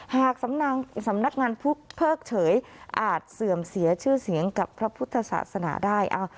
หากสำนักงานพุทธเพิกเฉยอาจเสื่อมเสียชื่อเสียงกับพระพุทธศาสนาได้